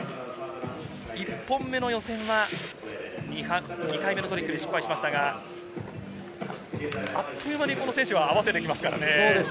１本目の予選は、２回目のトリックで失敗しましたが、あっという間にこの選手は合わせてきますからね。